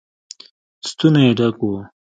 ستونی يې ډک و.